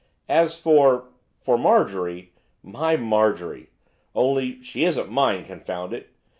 As for for Marjorie my Marjorie! only she isn't mine, confound it!